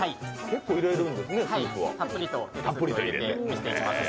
たっぷりと入れて蒸していきます。